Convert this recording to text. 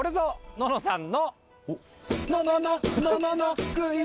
「ののさん！」